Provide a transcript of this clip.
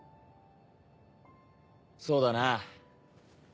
そうだな。